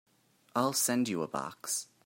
I'll send you a box.